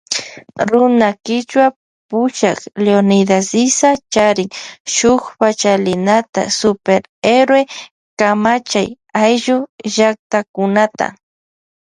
Runa kichwa pushak Leonidas Iza charin shuk pachalinata Super Héroe kamachay ayllu llaktakunata.